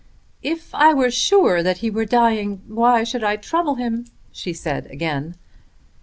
"If I were sure that he were dying, why should I trouble him?" she said again.